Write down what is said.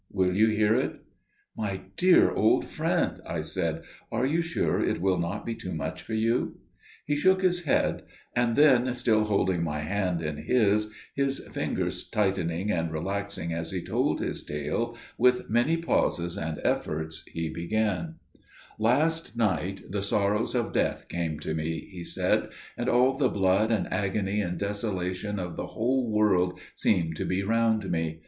Will you hear it?" "My dear old friend," I said, "are you sure it will not be too much for you?" He shook his head; and then, still holding my hand in his, his fingers tightening and relaxing as he told his tale, with many pauses and efforts, he began: "Last night the sorrows of death came to me," he said, "and all the blood and agony and desolation of the whole world seemed to be round me.